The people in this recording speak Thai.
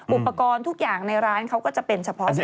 อุปกรณ์ทุกอย่างในร้านเขาก็จะเป็นเฉพาะ